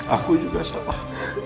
aku juga salah